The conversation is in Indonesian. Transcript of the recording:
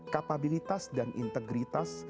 kapabilitas dan integritas